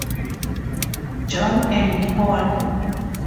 John and Paul.